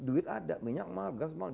duit ada minyak mahal gas mahal